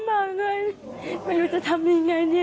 มากเลยไม่รู้จะทำยังไงนี่ล่ะเนี่ย